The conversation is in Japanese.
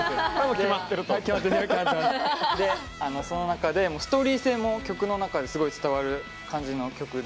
その中で、ストーリー性も曲の中ですごい伝わる感じの曲で。